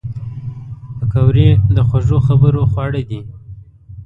پکورې د خوږو خبرو خواړه دي